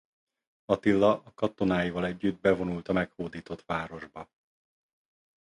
Attila katonáival együtt bevonul a meghódított városba.